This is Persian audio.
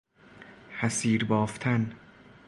حصیر بافتن